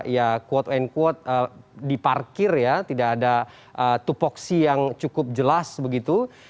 ya quote unquote diparkir ya tidak ada tupoksi yang cukup jelas begitu